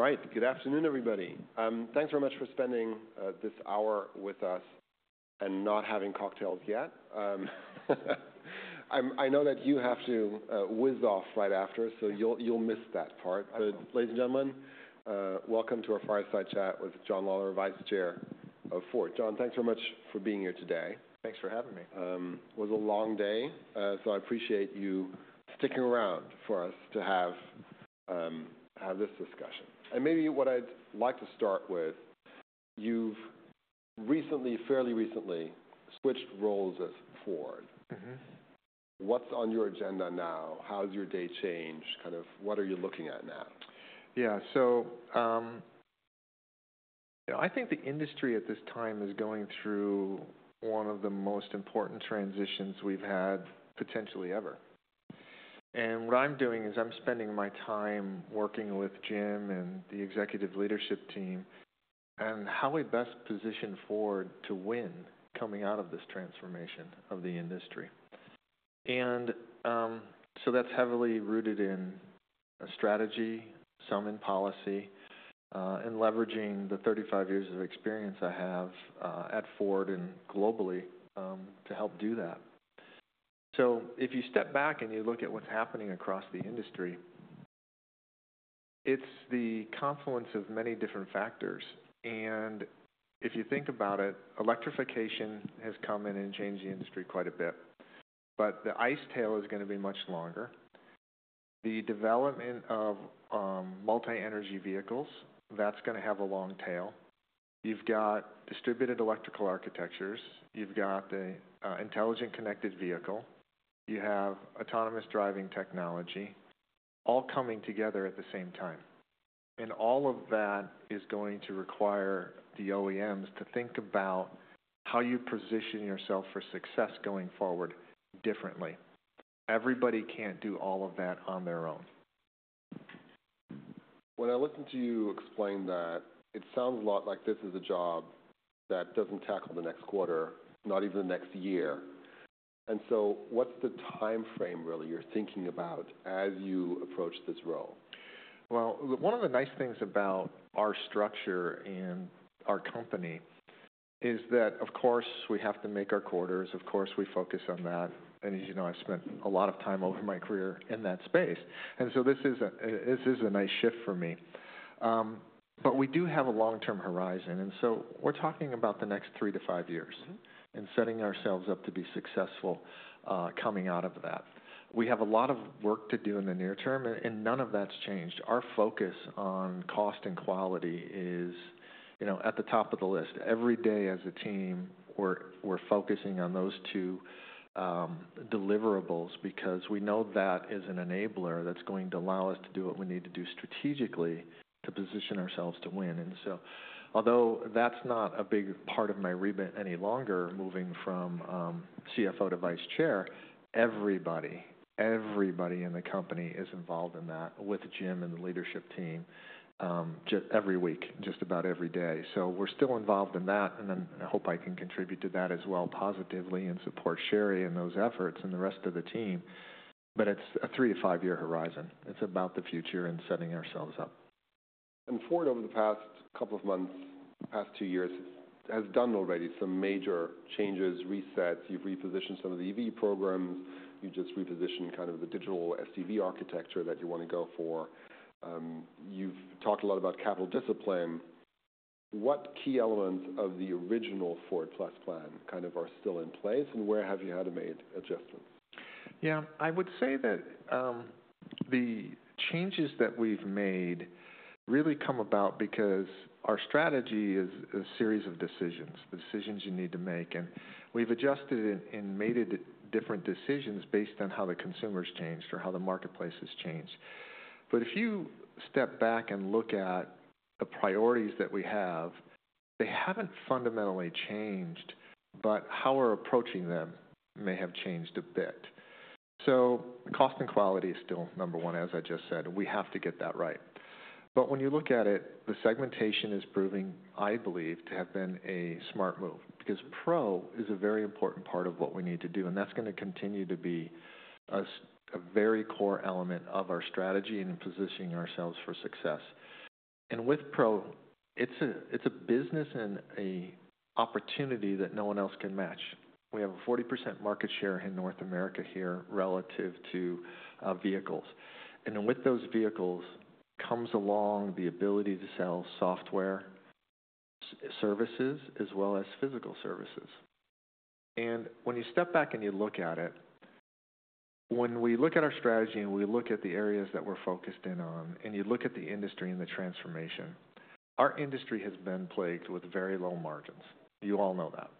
All right. Good afternoon, everybody. Thanks very much for spending this hour with us and not having cocktails yet. I know that you have to whiz off right after, so you'll miss that part. But ladies and gentlemen, welcome to our fireside chat with John Lawler, Vice Chair of Ford. John, thanks very much for being here today. Thanks for having me. It was a long day, so I appreciate you sticking around for us to have this discussion. Maybe what I'd like to start with, you've recently, fairly recently, switched roles at Ford. Mm-hmm. What's on your agenda now? How's your day changed? Kind of what are you looking at now? Yeah. So, you know, I think the industry at this time is going through one of the most important transitions we've had potentially ever. What I'm doing is I'm spending my time working with Jim and the executive leadership team on how we best position Ford to win coming out of this transformation of the industry. That's heavily rooted in strategy, some in policy, and leveraging the 35 years of experience I have at Ford and globally, to help do that. If you step back and you look at what's happening across the industry, it's the confluence of many different factors. If you think about it, electrification has come in and changed the industry quite a bit. The ICE tail is gonna be much longer. The development of multi-energy vehicles, that's gonna have a long tail. You've got distributed electrical architectures. You've got the intelligent connected vehicle. You have autonomous driving technology, all coming together at the same time. All of that is going to require the OEMs to think about how you position yourself for success going forward differently. Everybody can't do all of that on their own. When I listen to you explain that, it sounds a lot like this is a job that doesn't tackle the next quarter, not even the next year. What's the timeframe really you're thinking about as you approach this role? One of the nice things about our structure in our company is that, of course, we have to make our quarters. Of course, we focus on that. And as you know, I've spent a lot of time over my career in that space. This is a nice shift for me, but we do have a long-term horizon. We are talking about the next three to five years and setting ourselves up to be successful, coming out of that. We have a lot of work to do in the near term, and none of that's changed. Our focus on cost and quality is, you know, at the top of the list. Every day as a team, we're focusing on those two deliverables because we know that is an enabler that's going to allow us to do what we need to do strategically to position ourselves to win. Although that's not a big part of my remit any longer, moving from CFO to Vice Chair, everybody in the company is involved in that with Jim and the leadership team, just every week, just about every day. We're still involved in that. I hope I can contribute to that as well positively and support Sherry and those efforts and the rest of the team. It's a three to five-year horizon. It's about the future and setting ourselves up. Ford, over the past couple of months, past two years, has done already some major changes, resets. You've repositioned some of the EV programs. You've just repositioned kind of the digital STV architecture that you wanna go for. You've talked a lot about capital discipline. What key elements of the original Ford Plus plan kind of are still in place, and where have you had to make adjustments? Yeah. I would say that the changes that we've made really come about because our strategy is a series of decisions, the decisions you need to make. We've adjusted and made different decisions based on how the consumer's changed or how the marketplace has changed. If you step back and look at the priorities that we have, they haven't fundamentally changed, but how we're approaching them may have changed a bit. Cost and quality is still number one, as I just said. We have to get that right. When you look at it, the segmentation is proving, I believe, to have been a smart move because Pro is a very important part of what we need to do. That's gonna continue to be a very core element of our strategy and positioning ourselves for success. With Pro, it's a—it's a business and an opportunity that no one else can match. We have a 40% market share in North America here relative to vehicles. With those vehicles comes along the ability to sell software services as well as physical services. When you step back and you look at it, when we look at our strategy and we look at the areas that we're focused in on and you look at the industry and the transformation, our industry has been plagued with very low margins. You all know that.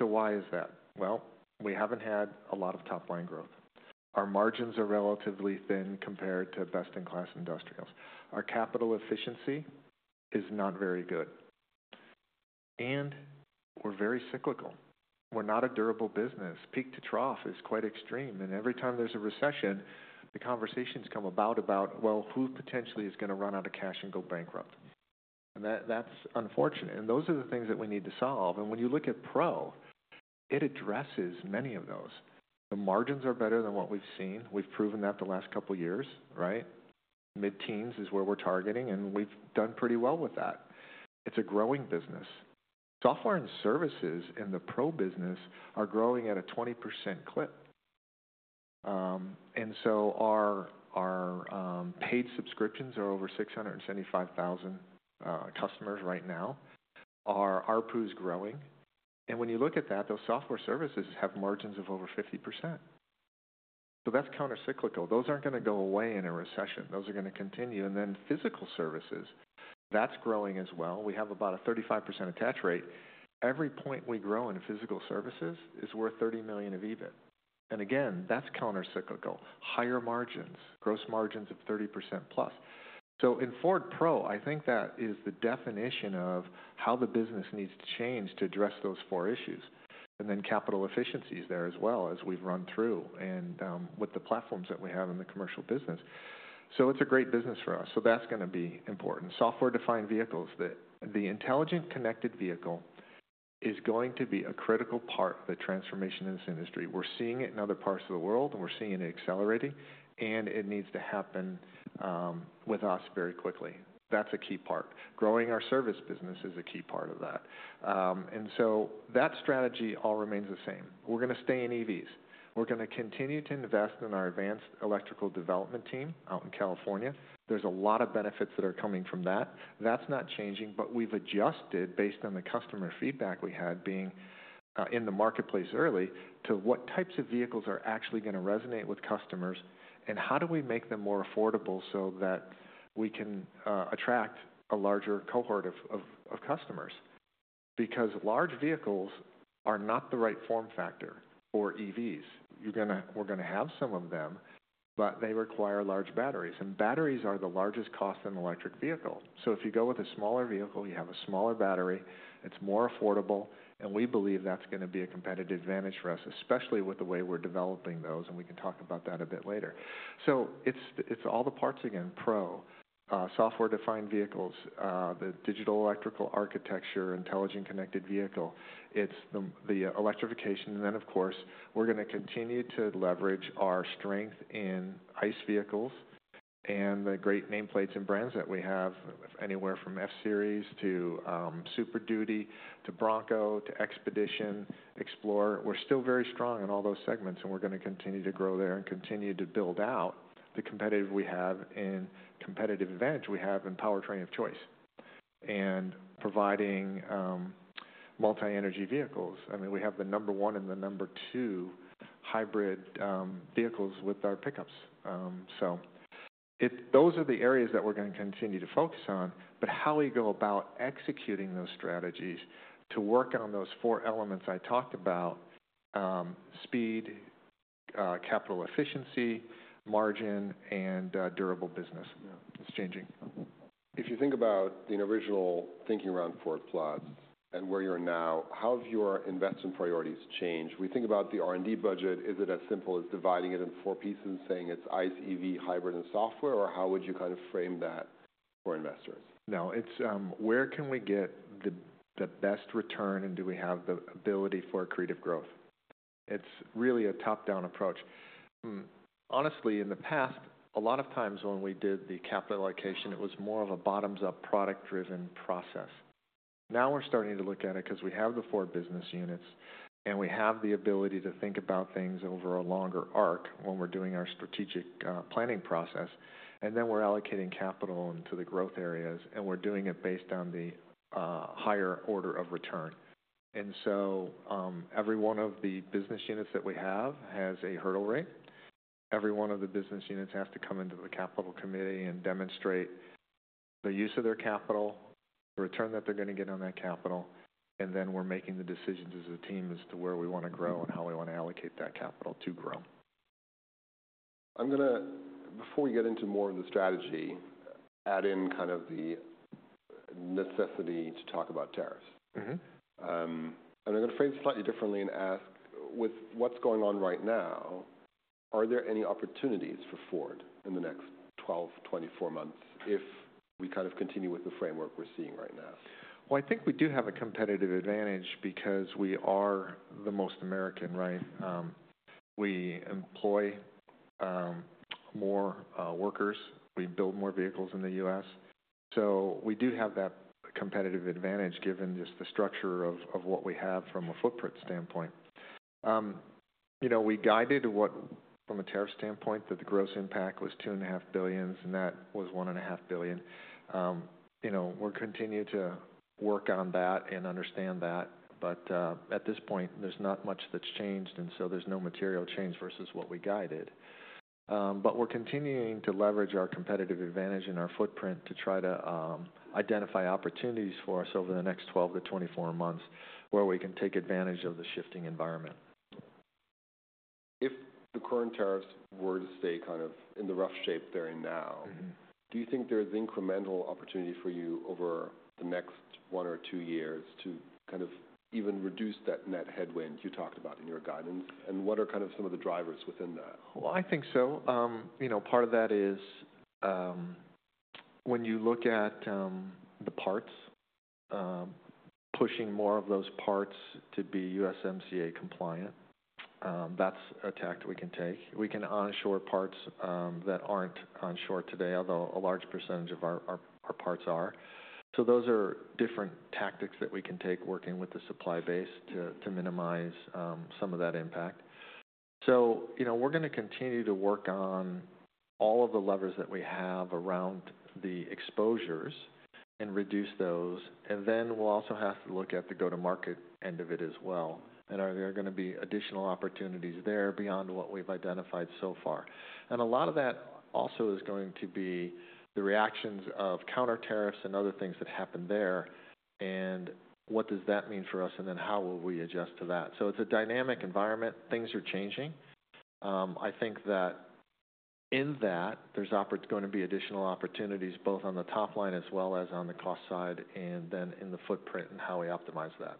Why is that? We haven't had a lot of top-line growth. Our margins are relatively thin compared to best-in-class industrials. Our capital efficiency is not very good. We're very cyclical. We're not a durable business. Peak to trough is quite extreme. Every time there's a recession, the conversations come about, about, well, who potentially is gonna run out of cash and go bankrupt. That—that's unfortunate. Those are the things that we need to solve. When you look at Pro, it addresses many of those. The margins are better than what we've seen. We've proven that the last couple of years, right? Mid-teens is where we're targeting, and we've done pretty well with that. It's a growing business. Software and services in the Pro business are growing at a 20% clip. Our paid subscriptions are over 675,000 customers right now. Our RPU is growing. When you look at that, those software services have margins of over 50%. That's countercyclical. Those aren't gonna go away in a recession. Those are gonna continue. Physical services, that's growing as well. We have about a 35% attach rate. Every point we grow in physical services is worth $30 million of EBIT. Again, that's countercyclical. Higher margins, gross margins of 30% plus. In Ford Pro, I think that is the definition of how the business needs to change to address those four issues. Capital efficiencies are there as well, as we've run through with the platforms that we have in the commercial business. It's a great business for us. That's going to be important. Software-defined vehicles, the intelligent connected vehicle is going to be a critical part of the transformation in this industry. We're seeing it in other parts of the world, and we're seeing it accelerating. It needs to happen with us very quickly. That's a key part. Growing our service business is a key part of that. and so that strategy all remains the same. We're gonna stay in EVs. We're gonna continue to invest in our advanced electrical development team out in California. There's a lot of benefits that are coming from that. That's not changing, but we've adjusted based on the customer feedback we had being in the marketplace early to what types of vehicles are actually gonna resonate with customers and how do we make them more affordable so that we can attract a larger cohort of customers because large vehicles are not the right form factor for EVs. You're gonna—we're gonna have some of them, but they require large batteries. And batteries are the largest cost in an electric vehicle. If you go with a smaller vehicle, you have a smaller battery. It's more affordable. We believe that's gonna be a competitive advantage for us, especially with the way we're developing those. We can talk about that a bit later. It's all the parts again, Pro, software-defined vehicles, the digital electrical architecture, intelligent connected vehicle. It's the electrification. Of course, we're gonna continue to leverage our strength in ICE vehicles and the great nameplates and brands that we have, anywhere from F-Series to Super Duty to Bronco to Expedition, Explorer. We're still very strong in all those segments, and we're gonna continue to grow there and continue to build out the competitive advantage we have in powertrain of choice and providing multi-energy vehicles. I mean, we have the number one and the number two hybrid vehicles with our pickups. Those are the areas that we're gonna continue to focus on. How we go about executing those strategies to work on those four elements I talked about, speed, capital efficiency, margin, and durable business, it's changing. If you think about the original thinking around Ford Plus and where you are now, how have your investment priorities changed? We think about the R&D budget. Is it as simple as dividing it into four pieces and saying it's ICE, EV, hybrid, and software? Or how would you kind of frame that for investors? No. It's, where can we get the, the best return and do we have the ability for creative growth? It's really a top-down approach. Honestly, in the past, a lot of times when we did the capital allocation, it was more of a bottoms-up product-driven process. Now we're starting to look at it 'cause we have the four business units, and we have the ability to think about things over a longer arc when we're doing our strategic, planning process. Then we're allocating capital into the growth areas, and we're doing it based on the, higher order of return. Every one of the business units that we have has a hurdle rate. Every one of the business units has to come into the capital committee and demonstrate the use of their capital, the return that they're gonna get on that capital. We're making the decisions as a team as to where we wanna grow and how we wanna allocate that capital to grow. I'm gonna—before we get into more of the strategy, add in kind of the necessity to talk about tariffs. Mm-hmm. I'm gonna phrase it slightly differently and ask, with what's going on right now, are there any opportunities for Ford in the next 12, 24 months if we kind of continue with the framework we're seeing right now? I think we do have a competitive advantage because we are the most American, right? We employ more workers. We build more vehicles in the U.S. We do have that competitive advantage given just the structure of what we have from a footprint standpoint. You know, we guided what from a tariff standpoint that the gross impact was $2.5 billion, and that was $1.5 billion. You know, we're continuing to work on that and understand that. At this point, there's not much that's changed, and so there's no material change versus what we guided. We're continuing to leverage our competitive advantage and our footprint to try to identify opportunities for us over the next 12-24 months where we can take advantage of the shifting environment. If the current tariffs were to stay kind of in the rough shape they're in now. Mm-hmm. Do you think there's incremental opportunity for you over the next one or two years to kind of even reduce that net headwind you talked about in your guidance? What are kind of some of the drivers within that? I think so. You know, part of that is, when you look at the parts, pushing more of those parts to be U.S.MCA compliant, that's a tact we can take. We can onshore parts that aren't onshore today, although a large percentage of our parts are. Those are different tactics that we can take working with the supply base to minimize some of that impact. You know, we're gonna continue to work on all of the levers that we have around the exposures and reduce those. We'll also have to look at the go-to-market end of it as well. Are there gonna be additional opportunities there beyond what we've identified so far? A lot of that also is going to be the reactions of counter tariffs and other things that happen there. What does that mean for us? How will we adjust to that? It is a dynamic environment. Things are changing. I think that in that, there is gonna be additional opportunities both on the top line as well as on the cost side and then in the footprint and how we optimize that.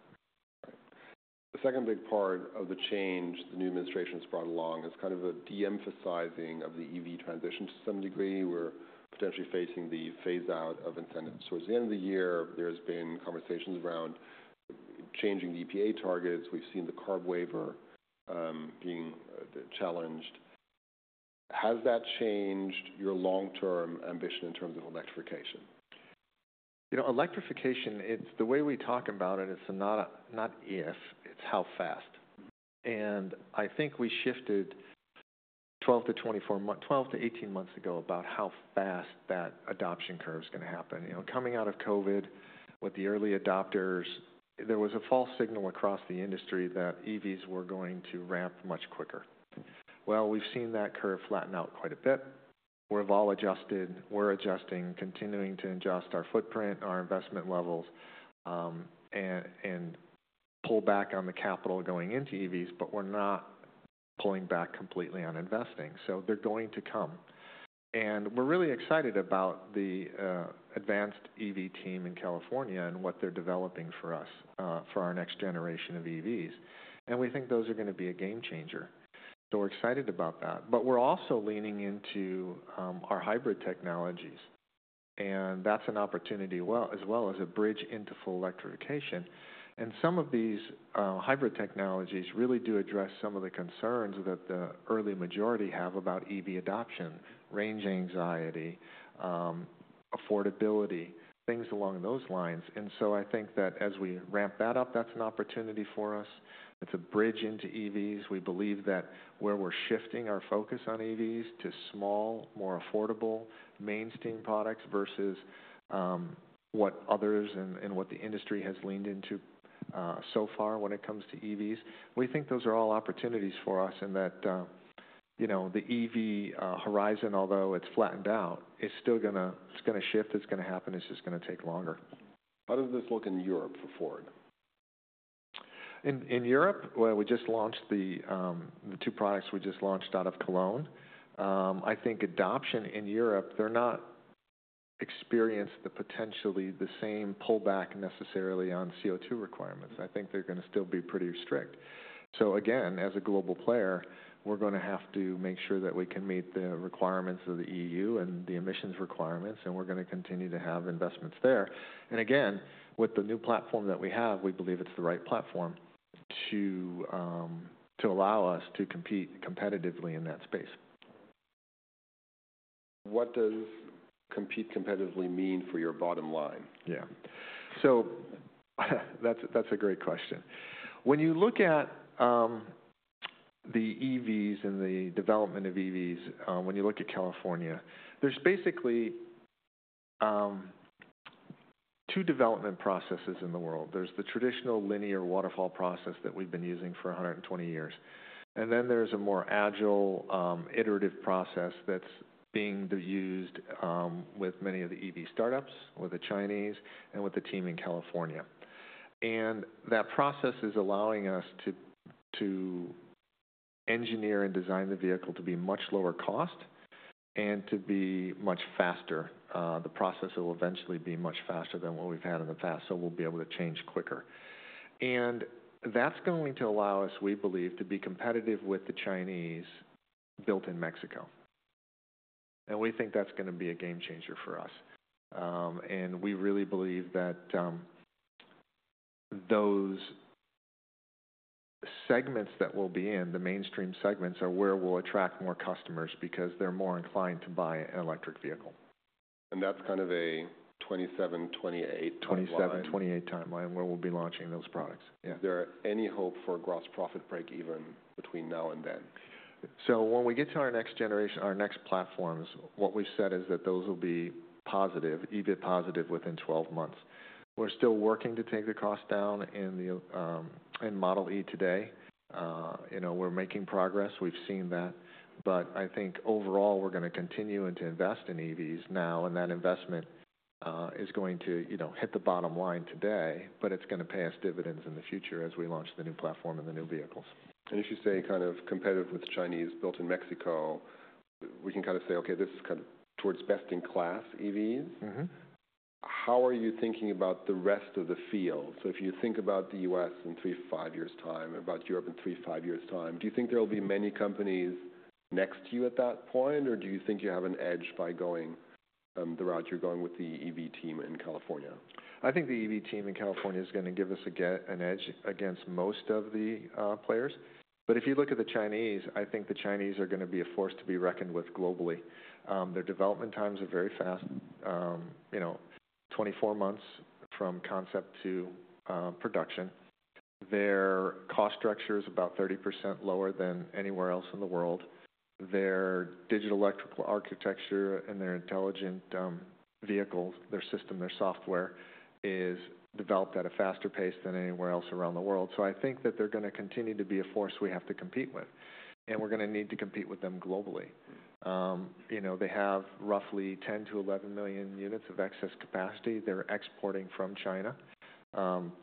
Right. The second big part of the change the new administration's brought along is kind of a de-emphasizing of the EV transition to some degree. We're potentially facing the phase-out of incentives. Towards the end of the year, there's been conversations around changing EPA targets. We've seen the CARB waiver being challenged. Has that changed your long-term ambition in terms of electrification? You know, electrification, it is the way we talk about it. It is not a—not if. It is how fast. I think we shifted 12-18 months ago about how fast that adoption curve is gonna happen. You know, coming out of COVID with the early adopters, there was a false signal across the industry that EVs were going to ramp much quicker. We have seen that curve flatten out quite a bit. We have all adjusted. We are adjusting, continuing to adjust our footprint, our investment levels, and pull back on the capital going into EVs, but we are not pulling back completely on investing. They are going to come. We are really excited about the advanced EV team in California and what they are developing for us, for our next generation of EVs. We think those are gonna be a game changer. We are excited about that. We're also leaning into our hybrid technologies. That's an opportunity as well as a bridge into full electrification. Some of these hybrid technologies really do address some of the concerns that the early majority have about EV adoption, range anxiety, affordability, things along those lines. I think that as we ramp that up, that's an opportunity for us. It's a bridge into EVs. We believe that where we're shifting our focus on EVs to small, more affordable, mainstream products versus what others and what the industry has leaned into so far when it comes to EVs. We think those are all opportunities for us in that, you know, the EV horizon, although it's flattened out, is still gonna—it's gonna shift. It's gonna happen. It's just gonna take longer. How does this look in Europe for Ford? In Europe, we just launched the two products we just launched out of Cologne. I think adoption in Europe, they're not experiencing potentially the same pullback necessarily on CO2 requirements. I think they're gonna still be pretty strict. As a global player, we're gonna have to make sure that we can meet the requirements of the EU and the emissions requirements. We're gonna continue to have investments there. With the new platform that we have, we believe it's the right platform to allow us to compete competitively in that space. What does compete competitively mean for your bottom line? Yeah. That's a great question. When you look at the EVs and the development of EVs, when you look at California, there's basically two development processes in the world. There's the traditional linear waterfall process that we've been using for 120 years. Then there's a more agile, iterative process that's being used with many of the EV startups, with the Chinese, and with the team in California. That process is allowing us to engineer and design the vehicle to be much lower cost and to be much faster. The process will eventually be much faster than what we've had in the past. We'll be able to change quicker. That's going to allow us, we believe, to be competitive with the Chinese built in Mexico. We think that's gonna be a game changer for us. We really believe that, those segments that we'll be in, the mainstream segments, are where we'll attract more customers because they're more inclined to buy an electric vehicle. That's kind of a 2027, 2028 timeline. 2027, 2028 timeline where we'll be launching those products. Yeah. Is there any hope for a gross profit break even between now and then? When we get to our next generation, our next platforms, what we've said is that those will be EV positive within 12 months. We're still working to take the cost down in Model e today. You know, we're making progress. We've seen that. I think overall, we're gonna continue to invest in EVs now. That investment is going to, you know, hit the bottom line today, but it's gonna pay us dividends in the future as we launch the new platform and the new vehicles. If you say kind of competitive with the Chinese built in Mexico, we can kind of say, "Okay, this is kind of towards best in class EVs. Mm-hmm. How are you thinking about the rest of the field? If you think about the U.S. in three, five years' time, about Europe in three, five years' time, do you think there'll be many companies next to you at that point? Or do you think you have an edge by going the route you're going with the EV team in California? I think the EV team in California is gonna give us a get an edge against most of the players. If you look at the Chinese, I think the Chinese are gonna be a force to be reckoned with globally. Their development times are very fast, you know, 24 months from concept to production. Their cost structure is about 30% lower than anywhere else in the world. Their digital electrical architecture and their intelligent vehicles, their system, their software is developed at a faster pace than anywhere else around the world. I think that they're gonna continue to be a force we have to compete with. We're gonna need to compete with them globally. You know, they have roughly 10-11 million units of excess capacity. They're exporting from China.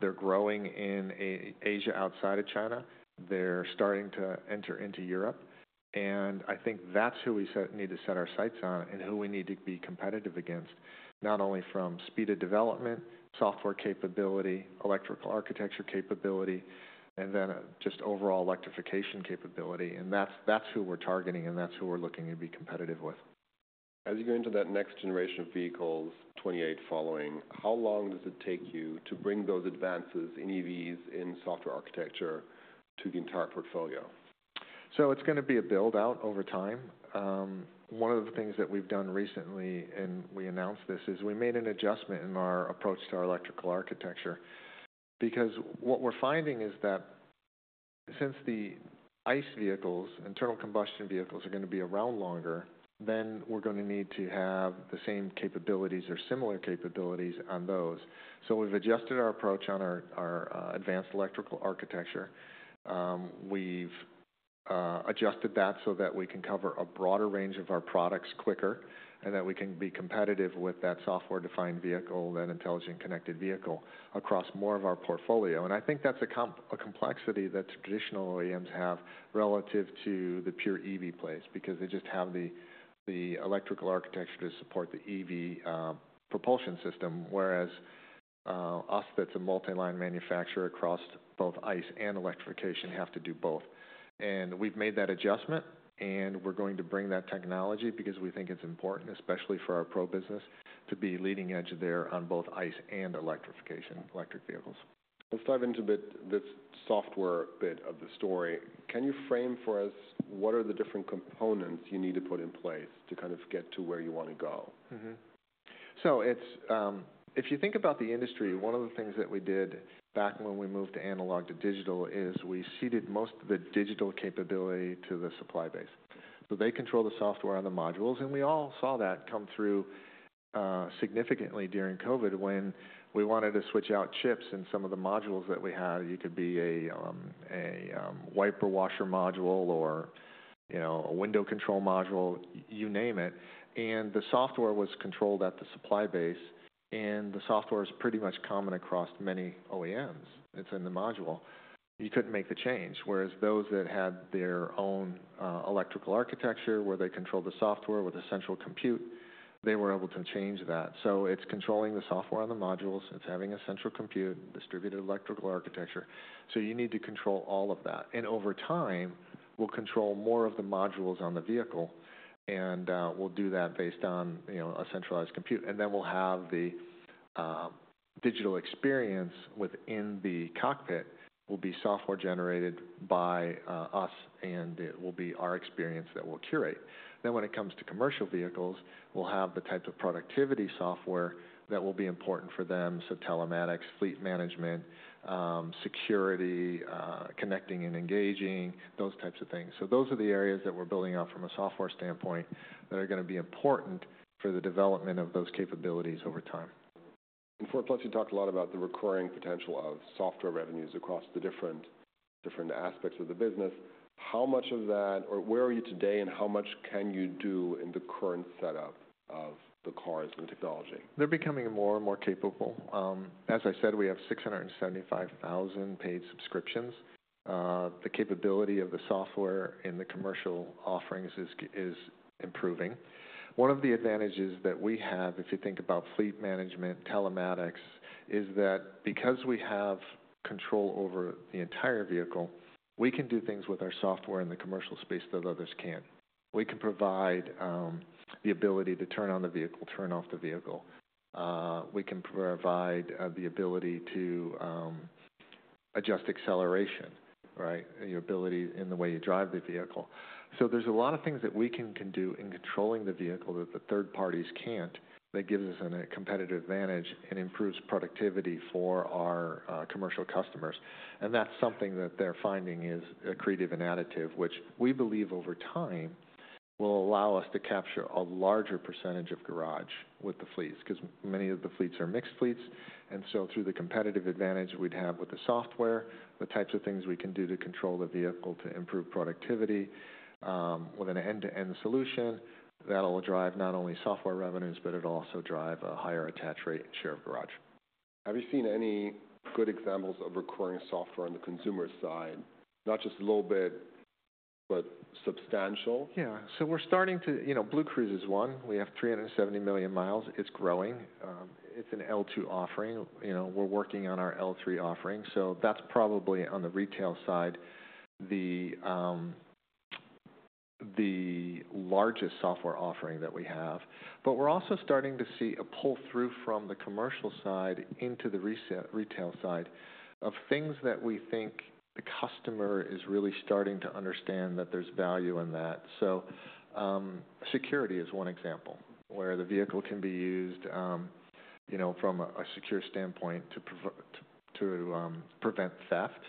They're growing in Asia outside of China. They're starting to enter into Europe. I think that's who we need to set our sights on and who we need to be competitive against, not only from speed of development, software capability, electrical architecture capability, and then just overall electrification capability. That's who we're targeting, and that's who we're looking to be competitive with. As you go into that next generation of vehicles, 2028 following, how long does it take you to bring those advances in EVs in software architecture to the entire portfolio? It's gonna be a build-out over time. One of the things that we've done recently, and we announced this, is we made an adjustment in our approach to our electrical architecture because what we're finding is that since the ICE vehicles, internal combustion vehicles, are gonna be around longer, then we're gonna need to have the same capabilities or similar capabilities on those. We've adjusted our approach on our advanced electrical architecture. We've adjusted that so that we can cover a broader range of our products quicker and that we can be competitive with that software-defined vehicle, that intelligent connected vehicle across more of our portfolio. I think that's a complexity that traditional OEMs have relative to the pure EV players because they just have the electrical architecture to support the EV propulsion system, whereas us, as a multi-line manufacturer across both ICE and electrification, have to do both. We've made that adjustment, and we're going to bring that technology because we think it's important, especially for our Pro business, to be leading edge there on both ICE and electrification, electric vehicles. Let's dive into the software bit of the story. Can you frame for us what are the different components you need to put in place to kind of get to where you wanna go? Mm-hmm. If you think about the industry, one of the things that we did back when we moved from analog to digital is we seeded most of the digital capability to the supply base. They control the software on the modules. We all saw that come through significantly during COVID when we wanted to switch out chips in some of the modules that we had. It could be a wiper washer module or, you know, a window control module, you name it. The software was controlled at the supply base. The software is pretty much common across many OEMs. It is in the module. You could not make the change. Whereas those that had their own electrical architecture where they controlled the software with a central compute, they were able to change that. It is controlling the software on the modules. It's having a central compute, distributed electrical architecture. You need to control all of that. Over time, we'll control more of the modules on the vehicle. We'll do that based on, you know, a centralized compute. We'll have the digital experience within the cockpit, which will be software generated by us, and it will be our experience that we'll curate. When it comes to commercial vehicles, we'll have the type of productivity software that will be important for them. Telematics, fleet management, security, connecting and engaging, those types of things. Those are the areas that we're building off from a software standpoint that are gonna be important for the development of those capabilities over time. In Ford Plus, you talked a lot about the recurring potential of software revenues across the different aspects of the business. How much of that, or where are you today, and how much can you do in the current setup of the cars and the technology? They're becoming more and more capable. As I said, we have 675,000 paid subscriptions. The capability of the software in the commercial offerings is improving. One of the advantages that we have, if you think about fleet management, telematics, is that because we have control over the entire vehicle, we can do things with our software in the commercial space that others can't. We can provide the ability to turn on the vehicle, turn off the vehicle. We can provide the ability to adjust acceleration, right, and your ability in the way you drive the vehicle. There are a lot of things that we can do in controlling the vehicle that the third parties can't that gives us a competitive advantage and improves productivity for our commercial customers. That is something that they're finding is creative and additive, which we believe over time will allow us to capture a larger percentage of garage with the fleets because many of the fleets are mixed fleets. Through the competitive advantage we would have with the software, the types of things we can do to control the vehicle to improve productivity, with an end-to-end solution, that will drive not only software revenues, but it will also drive a higher attach rate share of garage. Have you seen any good examples of recurring software on the consumer side, not just a little bit but substantial? Yeah. So we're starting to, you know, BlueCruise is one. We have 370 million miles. It's growing. It's an L2 offering. You know, we're working on our L3 offering. That's probably on the retail side, the largest software offering that we have. We're also starting to see a pull through from the commercial side into the retail side of things that we think the customer is really starting to understand that there's value in that. Security is one example where the vehicle can be used, you know, from a secure standpoint to prevent theft.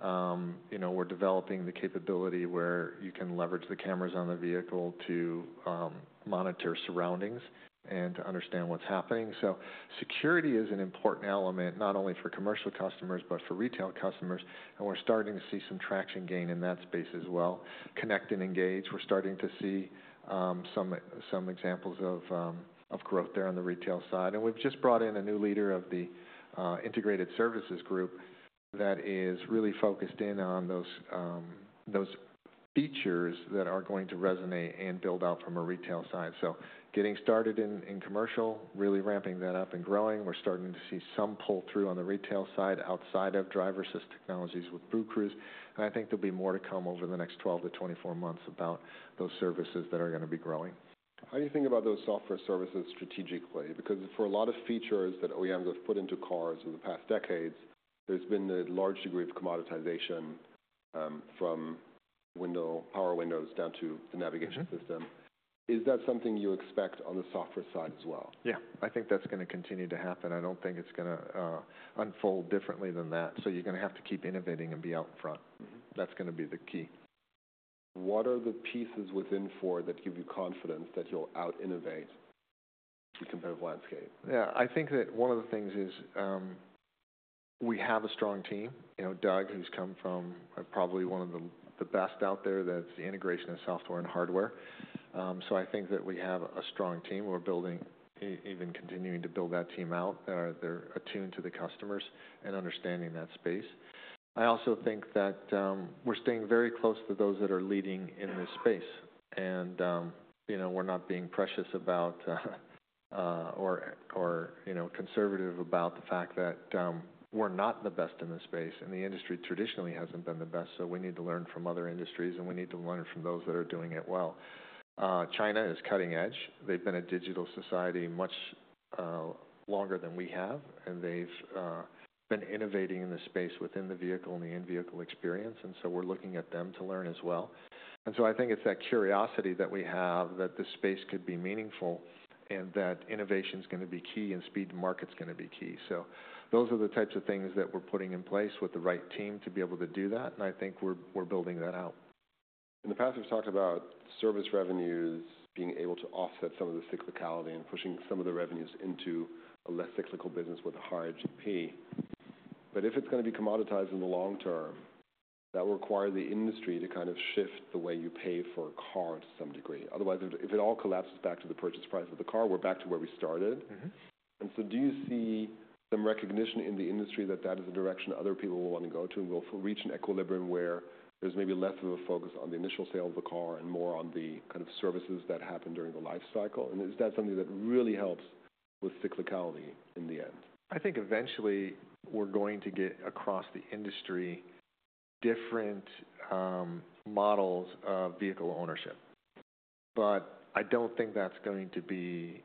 You know, we're developing the capability where you can leverage the cameras on the vehicle to monitor surroundings and to understand what's happening. Security is an important element not only for commercial customers but for retail customers. We're starting to see some traction gain in that space as well. Connect and engage, we're starting to see some examples of growth there on the retail side. We've just brought in a new leader of the integrated services group that is really focused in on those features that are going to resonate and build out from a retail side. Getting started in commercial, really ramping that up and growing. We're starting to see some pull through on the retail side outside of driver-assist technologies with BlueCruise. I think there will be more to come over the next 12-24 months about those services that are going to be growing. How do you think about those software services strategically? Because for a lot of features that OEMs have put into cars in the past decades, there's been a large degree of commoditization, from power windows down to the navigation system. Is that something you expect on the software side as well? Yeah. I think that's gonna continue to happen. I don't think it's gonna unfold differently than that. You're gonna have to keep innovating and be out front. Mm-hmm. That's gonna be the key. What are the pieces within Ford that give you confidence that you'll out-innovate the competitive landscape? Yeah. I think that one of the things is, we have a strong team. You know, Doug, who's come from probably one of the best out there, that's the integration of software and hardware. I think that we have a strong team. We're building, even continuing to build that team out that are they're attuned to the customers and understanding that space. I also think that we're staying very close to those that are leading in this space. You know, we're not being precious about, or, you know, conservative about the fact that we're not the best in this space. The industry traditionally hasn't been the best. We need to learn from other industries, and we need to learn from those that are doing it well. China is cutting edge. They've been a digital society much longer than we have. They've been innovating in the space within the vehicle and the in-vehicle experience. We're looking at them to learn as well. I think it's that curiosity that we have that the space could be meaningful and that innovation's gonna be key and speed to market's gonna be key. Those are the types of things that we're putting in place with the right team to be able to do that. I think we're building that out. In the past, we've talked about service revenues being able to offset some of the cyclicality and pushing some of the revenues into a less cyclical business with a higher GP. If it's gonna be commoditized in the long term, that will require the industry to kind of shift the way you pay for a car to some degree. Otherwise, if it all collapses back to the purchase price of the car, we're back to where we started. Mm-hmm. Do you see some recognition in the industry that that is a direction other people will wanna go to and will reach an equilibrium where there's maybe less of a focus on the initial sale of the car and more on the kind of services that happen during the life cycle? Is that something that really helps with cyclicality in the end? I think eventually we're going to get across the industry different models of vehicle ownership. I don't think that's going to be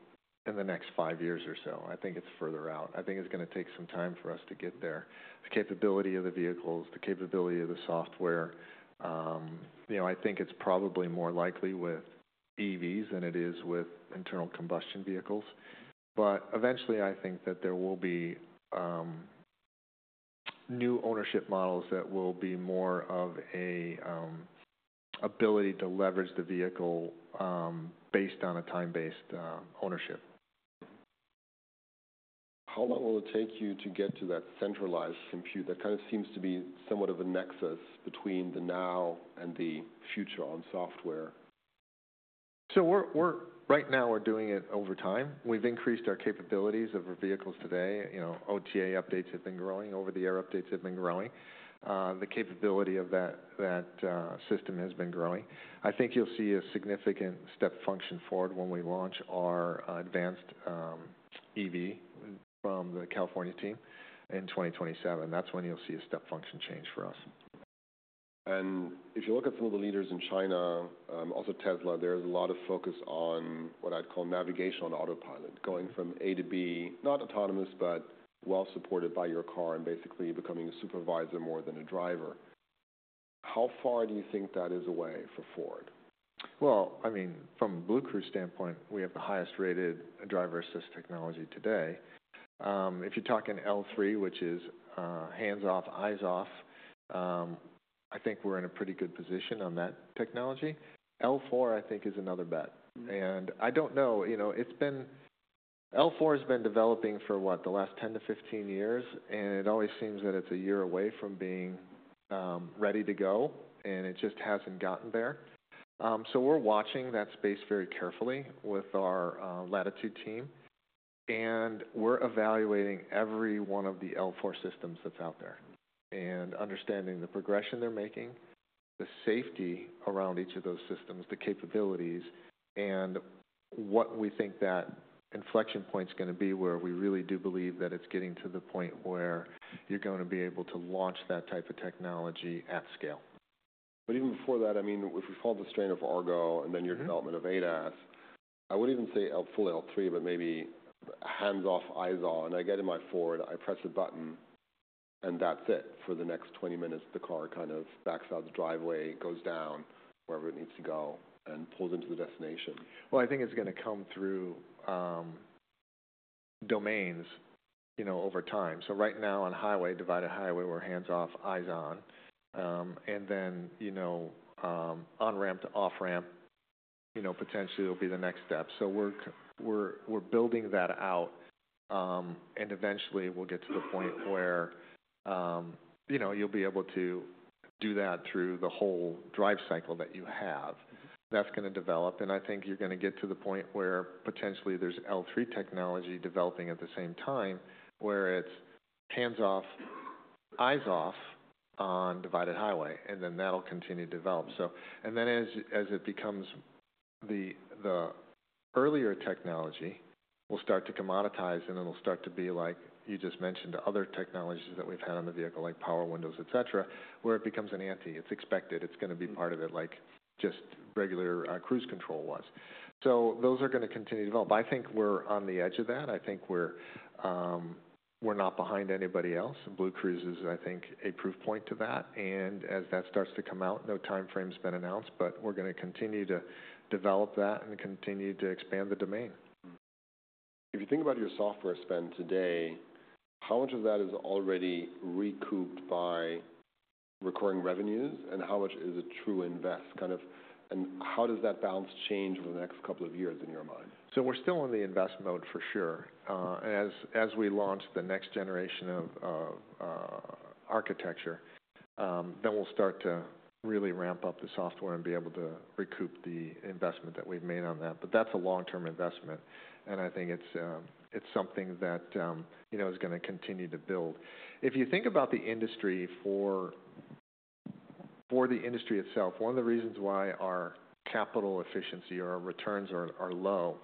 in the next five years or so. I think it's further out. I think it's gonna take some time for us to get there. The capability of the vehicles, the capability of the software, you know, I think it's probably more likely with EVs than it is with internal combustion vehicles. Eventually, I think that there will be new ownership models that will be more of an ability to leverage the vehicle based on a time-based ownership. Mm-hmm. How long will it take you to get to that central compute that kind of seems to be somewhat of a nexus between the now and the future on software? We're right now, we're doing it over time. We've increased our capabilities of our vehicles today. You know, OTA updates have been growing. Over-the-air updates have been growing. The capability of that, that system has been growing. I think you'll see a significant step function forward when we launch our advanced EV from the California team in 2027. That's when you'll see a step function change for us. If you look at some of the leaders in China, also Tesla, there's a lot of focus on what I'd call navigation on autopilot, going from A to B, not autonomous but well-supported by your car and basically becoming a supervisor more than a driver. How far do you think that is away for Ford? I mean, from BlueCruise standpoint, we have the highest-rated driver-assist technology today. If you talk in L3, which is hands off, eyes off, I think we're in a pretty good position on that technology. L4, I think, is another bet. I don't know, you know, L4 has been developing for, what, the last 10-15 years. It always seems that it's a year away from being ready to go. It just hasn't gotten there. We are watching that space very carefully with our Latitude team. We're evaluating every one of the L4 systems that's out there and understanding the progression they're making, the safety around each of those systems, the capabilities, and what we think that inflection point's gonna be where we really do believe that it's getting to the point where you're gonna be able to launch that type of technology at scale. Even before that, I mean, if we follow the strain of Argo and then your development of ADAS, I would not even say fully L3, but maybe hands off, eyes on. I get in my Ford, I press a button, and that is it for the next 20 minutes. The car kind of backs out of the driveway, goes down wherever it needs to go, and pulls into the destination. I think it's gonna come through domains, you know, over time. Right now on highway, divided highway, we're hands off, eyes on. You know, on-ramp to off-ramp, you know, potentially will be the next step. We're building that out. Eventually, we'll get to the point where, you know, you'll be able to do that through the whole drive cycle that you have. Mm-hmm. That's gonna develop. I think you're gonna get to the point where potentially there's L3 technology developing at the same time where it's hands off, eyes off on divided highway. That'll continue to develop. As it becomes the earlier technology, it'll start to commoditize, and it'll start to be like you just mentioned, other technologies that we've had on the vehicle like power windows, etc., where it becomes an ante. It's expected. It's gonna be part of it like just regular cruise control was. Those are gonna continue to develop. I think we're on the edge of that. I think we're not behind anybody else. BlueCruise is, I think, a proof point to that. As that starts to come out, no timeframe's been announced, but we're gonna continue to develop that and continue to expand the domain. Mm-hmm. If you think about your software spend today, how much of that is already recouped by recurring revenues? How much is a true invest kind of? How does that balance change over the next couple of years in your mind? We're still in the invest mode for sure. As we launch the next generation of architecture, then we'll start to really ramp up the software and be able to recoup the investment that we've made on that. That's a long-term investment. I think it's something that, you know, is gonna continue to build. If you think about the industry itself, one of the reasons why our capital efficiency or our returns are low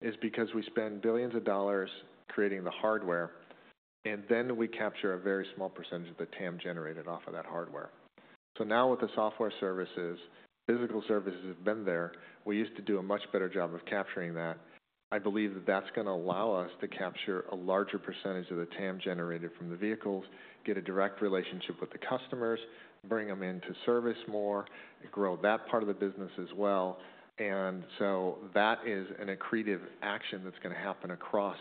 is because we spend billions of dollars creating the hardware, and then we capture a very small percentage of the TAM generated off of that hardware. Now with the software services, physical services have been there. We used to do a much better job of capturing that. I believe that that's gonna allow us to capture a larger percentage of the TAM generated from the vehicles, get a direct relationship with the customers, bring them into service more, grow that part of the business as well. That is an accretive action that's gonna happen across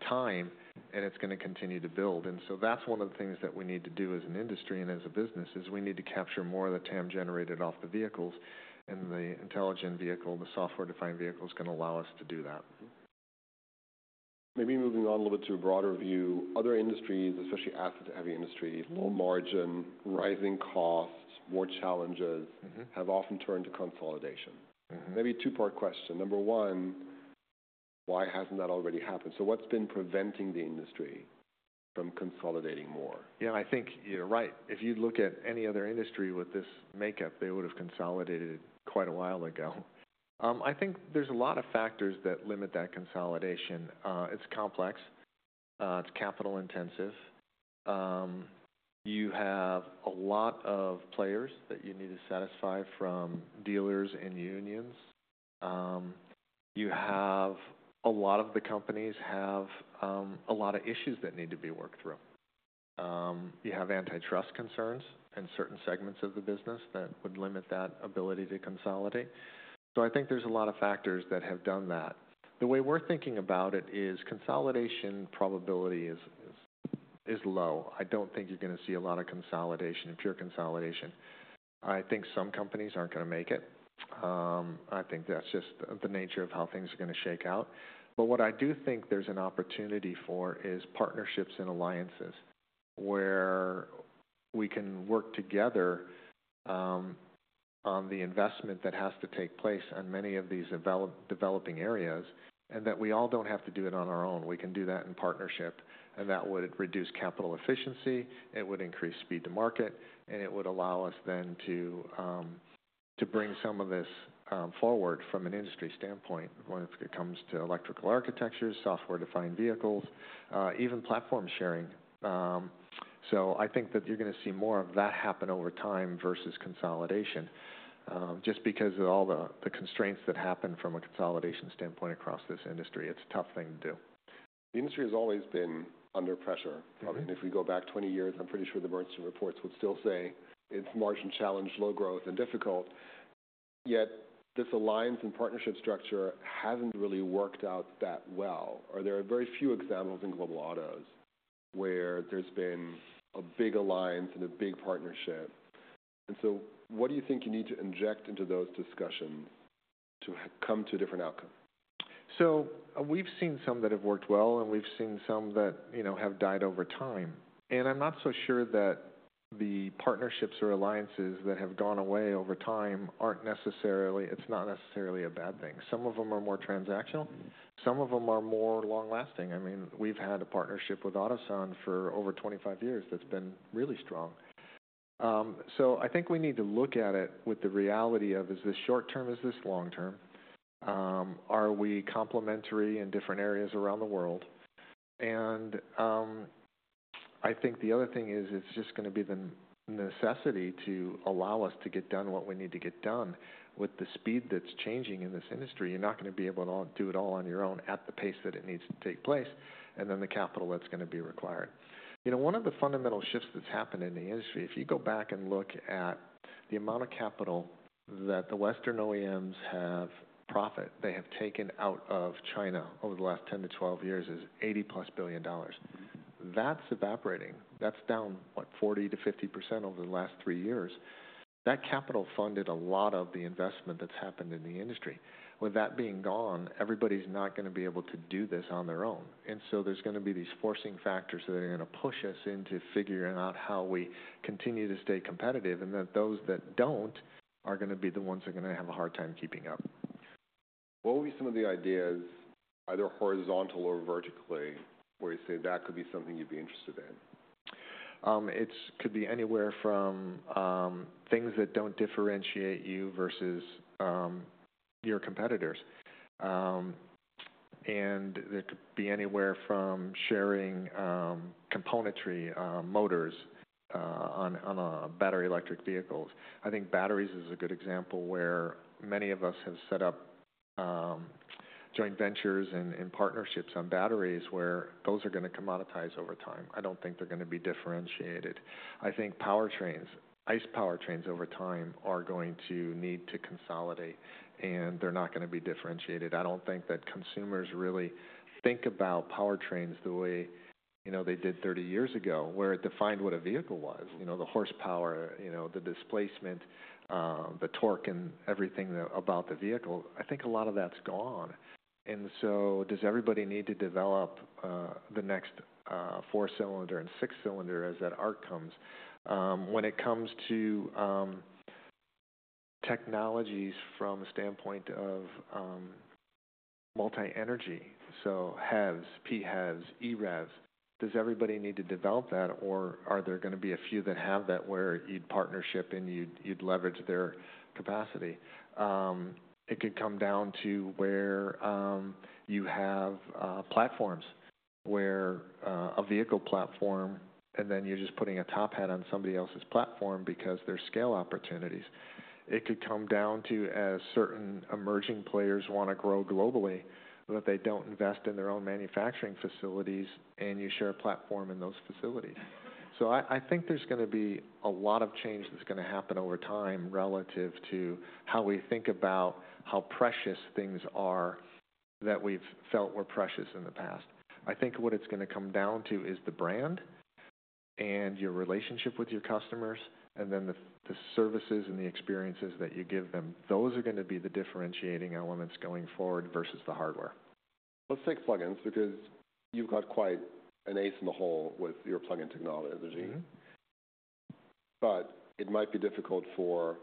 time, and it's gonna continue to build. That is one of the things that we need to do as an industry and as a business is we need to capture more of the TAM generated off the vehicles. The intelligent vehicle, the software-defined vehicle's gonna allow us to do that. Mm-hmm. Maybe moving on a little bit to a broader view, other industries, especially asset-heavy industries, low margin, rising costs, more challenges. Mm-hmm. Have often turned to consolidation. Mm-hmm. Maybe a two-part question. Number one, why hasn't that already happened? What has been preventing the industry from consolidating more? Yeah. I think you're right. If you look at any other industry with this makeup, they would've consolidated quite a while ago. I think there's a lot of factors that limit that consolidation. It's complex. It's capital-intensive. You have a lot of players that you need to satisfy from dealers and unions. You have a lot of the companies have a lot of issues that need to be worked through. You have antitrust concerns in certain segments of the business that would limit that ability to consolidate. I think there's a lot of factors that have done that. The way we're thinking about it is consolidation probability is low. I don't think you're gonna see a lot of consolidation, pure consolidation. I think some companies aren't gonna make it. I think that's just the nature of how things are gonna shake out. What I do think there's an opportunity for is partnerships and alliances where we can work together on the investment that has to take place on many of these developing areas and that we all don't have to do it on our own. We can do that in partnership. That would reduce capital efficiency. It would increase speed to market. It would allow us then to bring some of this forward from an industry standpoint when it comes to electrical architectures, software-defined vehicles, even platform sharing. I think that you're gonna see more of that happen over time versus consolidation, just because of all the constraints that happen from a consolidation standpoint across this industry. It's a tough thing to do. The industry has always been under pressure. Mm-hmm. I mean, if we go back 20 years, I'm pretty sure the Bernstein reports would still say it's margin challenge, low growth, and difficult. Yet this alliance and partnership structure hasn't really worked out that well. There are very few examples in global autos where there's been a big alliance and a big partnership. What do you think you need to inject into those discussions to come to a different outcome? We've seen some that have worked well, and we've seen some that, you know, have died over time. I'm not so sure that the partnerships or alliances that have gone away over time aren't necessarily, it's not necessarily a bad thing. Some of them are more transactional. Some of them are more long-lasting. I mean, we've had a partnership with Autoliv for over 25 years that's been really strong. I think we need to look at it with the reality of is this short-term? Is this long-term? Are we complementary in different areas around the world? I think the other thing is it's just gonna be the necessity to allow us to get done what we need to get done with the speed that's changing in this industry. You're not gonna be able to do it all on your own at the pace that it needs to take place and then the capital that's gonna be required. You know, one of the fundamental shifts that's happened in the industry, if you go back and look at the amount of capital that the Western OEMs have profit they have taken out of China over the last 10-12 years is $80+ billion. Mm-hmm. That's evaporating. That's down, what, 40%-50% over the last three years. That capital funded a lot of the investment that's happened in the industry. With that being gone, everybody's not gonna be able to do this on their own. There are gonna be these forcing factors that are gonna push us into figuring out how we continue to stay competitive and that those that do not are gonna be the ones that are gonna have a hard time keeping up. What would be some of the ideas, either horizontal or vertically, where you say that could be something you'd be interested in? It could be anywhere from things that do not differentiate you versus your competitors. There could be anywhere from sharing componentry, motors, on battery-electric vehicles. I think batteries is a good example where many of us have set up joint ventures and partnerships on batteries where those are gonna commoditize over time. I do not think they are gonna be differentiated. I think powertrains, ICE powertrains over time are going to need to consolidate, and they are not gonna be differentiated. I do not think that consumers really think about powertrains the way, you know, they did 30 years ago where it defined what a vehicle was, you know, the horsepower, you know, the displacement, the torque, and everything about the vehicle. I think a lot of that is gone. Does everybody need to develop the next four-cylinder and six-cylinder as that arc comes? When it comes to technologies from a standpoint of multi-energy, so HEVs, PHEVs, eREVs, does everybody need to develop that? Or are there gonna be a few that have that where you'd partnership and you'd leverage their capacity? It could come down to where you have platforms where a vehicle platform, and then you're just putting a top hat on somebody else's platform because there's scale opportunities.It could come down to as certain emerging players wanna grow globally that they don't invest in their own manufacturing facilities, and you share a platform in those facilities. I think there's gonna be a lot of change that's gonna happen over time relative to how we think about how precious things are that we've felt were precious in the past. I think what it's gonna come down to is the brand and your relationship with your customers and then the services and the experiences that you give them. Those are gonna be the differentiating elements going forward versus the hardware. Let's take plug-ins because you've got quite an ace in the hole with your plug-in technology. Mm-hmm. It might be difficult for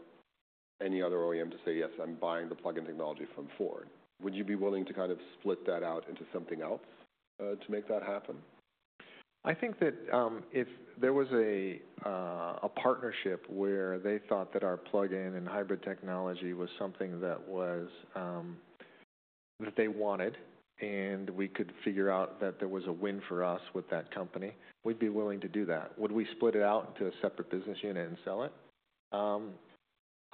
any other OEM to say, "Yes, I'm buying the plug-in technology from Ford." Would you be willing to kind of split that out into something else, to make that happen? I think that, if there was a partnership where they thought that our plug-in and hybrid technology was something that was, that they wanted and we could figure out that there was a win for us with that company, we'd be willing to do that. Would we split it out into a separate business unit and sell it?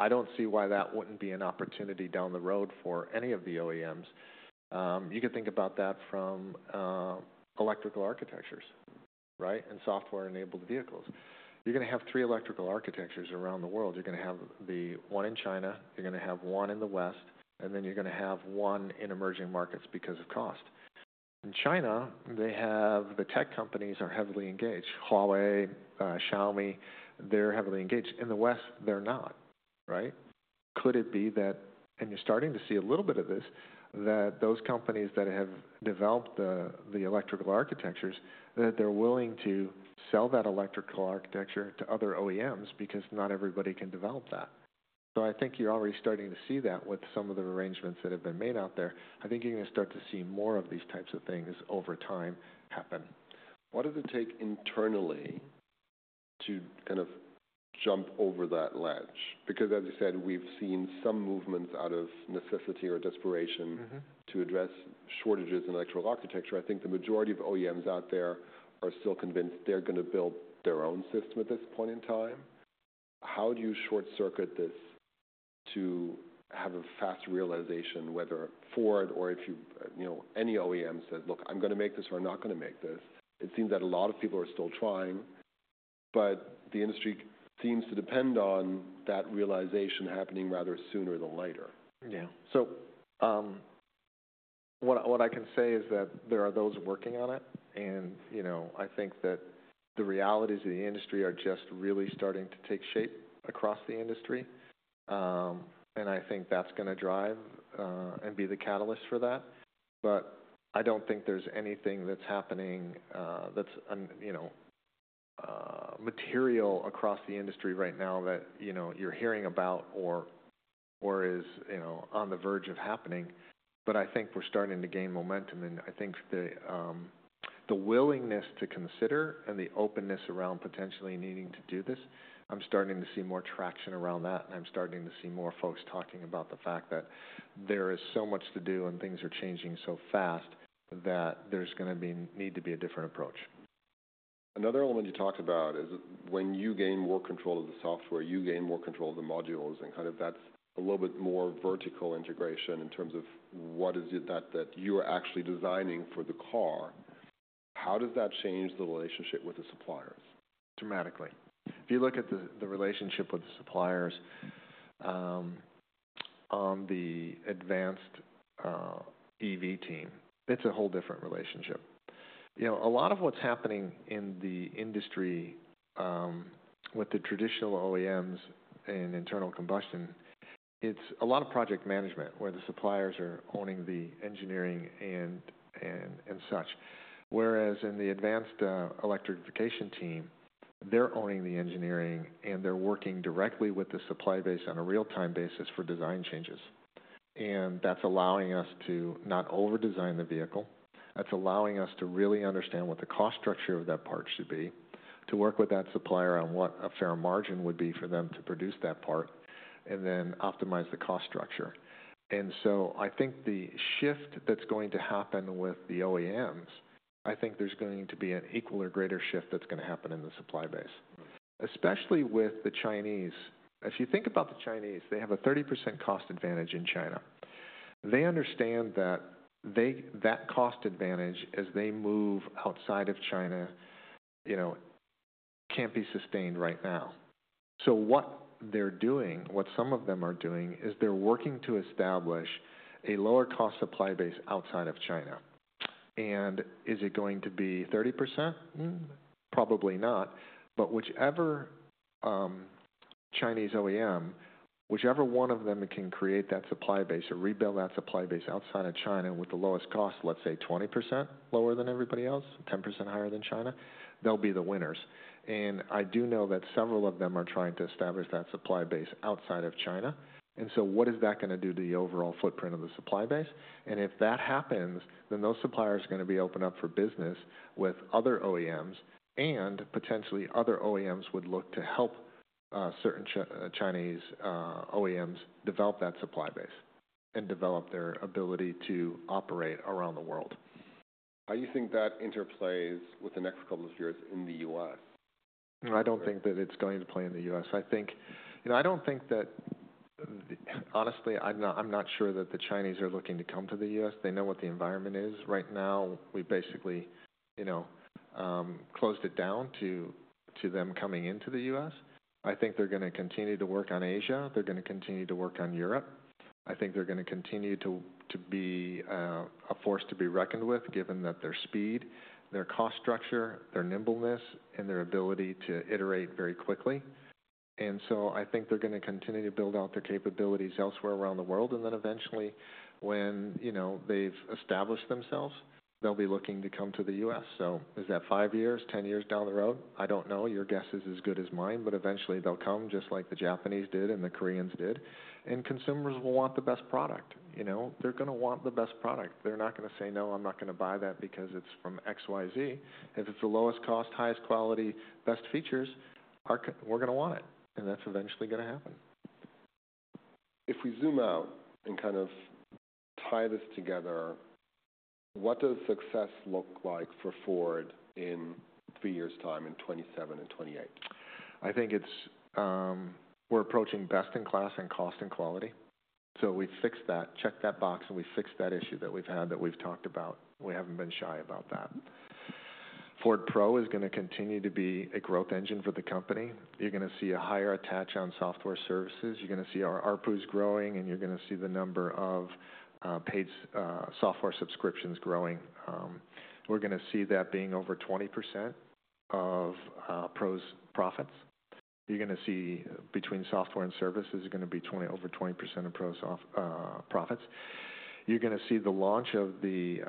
I don't see why that wouldn't be an opportunity down the road for any of the OEMs. You could think about that from electrical architectures, right, and software-enabled vehicles. You're gonna have three electrical architectures around the world. You're gonna have the one in China. You're gonna have one in the West. And then you're gonna have one in emerging markets because of cost. In China, they have the tech companies are heavily engaged. Huawei, Xiaomi, they're heavily engaged. In the West, they're not, right? Could it be that, and you're starting to see a little bit of this, that those companies that have developed the electrical architectures, that they're willing to sell that electrical architecture to other OEMs because not everybody can develop that? I think you're already starting to see that with some of the arrangements that have been made out there. I think you're gonna start to see more of these types of things over time happen. What does it take internally to kind of jump over that ledge? Because, as you said, we've seen some movements out of necessity or desperation. Mm-hmm. To address shortages in electrical architecture. I think the majority of OEMs out there are still convinced they're gonna build their own system at this point in time. How do you short-circuit this to have a fast realization, whether Ford or if you, you know, any OEM says, "Look, I'm gonna make this or I'm not gonna make this"? It seems that a lot of people are still trying, but the industry seems to depend on that realization happening rather sooner than later. Yeah. What I can say is that there are those working on it. You know, I think that the realities of the industry are just really starting to take shape across the industry. I think that's gonna drive and be the catalyst for that. I don't think there's anything that's happening that's, you know, material across the industry right now that you're hearing about or is on the verge of happening. I think we're starting to gain momentum. I think the willingness to consider and the openness around potentially needing to do this, I'm starting to see more traction around that. I'm starting to see more folks talking about the fact that there is so much to do and things are changing so fast that there's gonna need to be a different approach. Another element you talked about is when you gain more control of the software, you gain more control of the modules and kind of that's a little bit more vertical integration in terms of what is it that you are actually designing for the car. How does that change the relationship with the suppliers? Dramatically. If you look at the relationship with the suppliers, on the advanced EV team, it's a whole different relationship. You know, a lot of what's happening in the industry, with the traditional OEMs and internal combustion, it's a lot of project management where the suppliers are owning the engineering and such. Whereas in the advanced electrification team, they're owning the engineering and they're working directly with the supply base on a real-time basis for design changes. That's allowing us to not over-design the vehicle. That's allowing us to really understand what the cost structure of that part should be, to work with that supplier on what a fair margin would be for them to produce that part, and then optimize the cost structure. I think the shift that's going to happen with the OEMs, I think there's going to be an equal or greater shift that's gonna happen in the supply base. Right. Especially with the Chinese. If you think about the Chinese, they have a 30% cost advantage in China. They understand that they, that cost advantage as they move outside of China, you know, cannot be sustained right now. What they are doing, what some of them are doing is they are working to establish a lower-cost supply base outside of China. Is it going to be 30%? Probablynot. Whichever Chinese OEM, whichever one of them can create that supply base or rebuild that supply base outside of China with the lowest cost, let's say 20% lower than everybody else, 10% higher than China, they will be the winners. I do know that several of them are trying to establish that supply base outside of China. What is that going to do to the overall footprint of the supply base? If that happens, then those suppliers are gonna be open up for business with other OEMs. Potentially other OEMs would look to help certain Chinese OEMs develop that supply base and develop their ability to operate around the world. How do you think that interplays with the next couple of years in the U.S.? I don't think that it's going to play in the U.S. I think, you know, I don't think that the, honestly, I'm not, I'm not sure that the Chinese are looking to come to the U.S. They know what the environment is right now. We basically, you know, closed it down to them coming into the U.S. I think they're gonna continue to work on Asia. They're gonna continue to work on Europe. I think they're gonna continue to be a force to be reckoned with given their speed, their cost structure, their nimbleness, and their ability to iterate very quickly. I think they're gonna continue to build out their capabilities elsewhere around the world. Eventually, when, you know, they've established themselves, they'll be looking to come to the U.S. Is that 5 years, 10 years down the road? I don't know. Your guess is as good as mine. Eventually, they'll come just like the Japanese did and the Koreans did. Consumers will want the best product. You know, they're gonna want the best product. They're not gonna say, "No, I'm not gonna buy that because it's from X, Y, Z." If it's the lowest cost, highest quality, best features, we're gonna want it. That's eventually gonna happen. If we zoom out and kind of tie this together, what does success look like for Ford in three years' time in 2027 and 2028? I think it's, we're approaching best in class in cost and quality. So we fixed that, checked that box, and we fixed that issue that we've had that we've talked about. We haven't been shy about that. Ford Pro is gonna continue to be a growth engine for the company. You're gonna see a higher attach on software services. You're gonna see our ARPUs growing, and you're gonna see the number of paid software subscriptions growing. We're gonna see that being over 20% of Pro's profits. You're gonna see between software and services, it's gonna be 20, over 20% of Pro's profits. You're gonna see the launch of the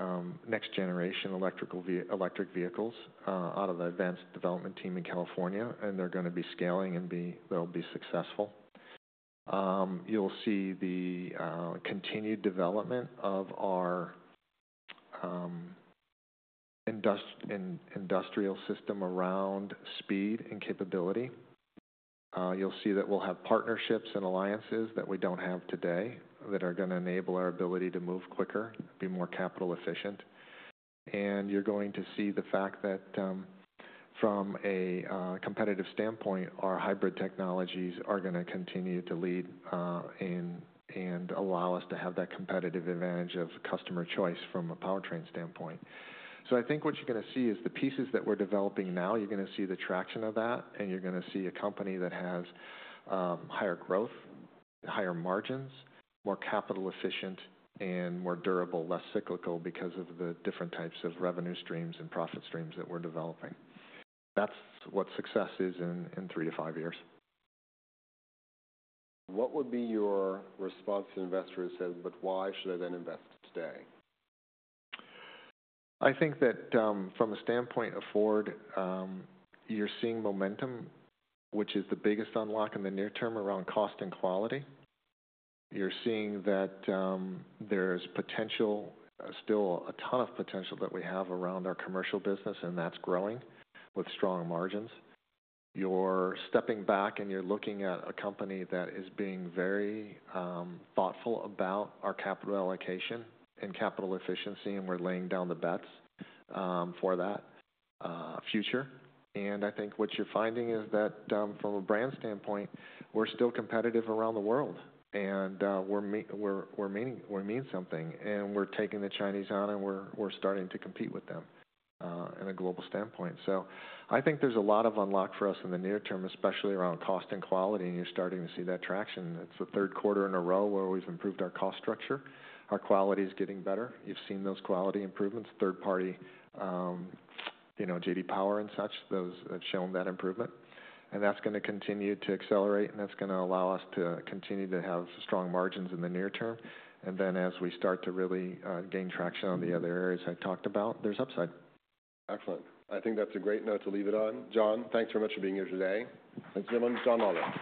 next-generation electric vehicles out of the advanced development team in California. And they're gonna be scaling and be, they'll be successful. You'll see the continued development of our industrial system around speed and capability. You'll see that we'll have partnerships and alliances that we don't have today that are gonna enable our ability to move quicker, be more capital-efficient. You're going to see the fact that, from a competitive standpoint, our hybrid technologies are gonna continue to lead and allow us to have that competitive advantage of customer choice from a powertrain standpoint. I think what you're gonna see is the pieces that we're developing now. You're gonna see the traction of that. You're gonna see a company that has higher growth, higher margins, more capital-efficient, and more durable, less cyclical because of the different types of revenue streams and profit streams that we're developing. That's what success is in three to five years. What would be your response to investors as, "But why should I then invest today? I think that, from a standpoint of Ford, you're seeing momentum, which is the biggest unlock in the near term around cost and quality. You're seeing that there's potential, still a ton of potential that we have around our commercial business, and that's growing with strong margins. You're stepping back, and you're looking at a company that is being very thoughtful about our capital allocation and capital efficiency, and we're laying down the bets for that future. I think what you're finding is that, from a brand standpoint, we're still competitive around the world. We're meaning, we mean something. We're taking the Chinese on, and we're starting to compete with them, in a global standpoint. I think there's a lot of unlock for us in the near term, especially around cost and quality. You're starting to see that traction. It's the third quarter in a row where we've improved our cost structure. Our quality is getting better. You've seen those quality improvements. Third-party, you know, JD Power and such, those have shown that improvement. That is gonna continue to accelerate. That is gonna allow us to continue to have strong margins in the near term. As we start to really gain traction on the other areas I talked about, there's upside. Excellent. I think that's a great note to leave it on. John, thanks very much for being here today. Thanks very much, John Lawler.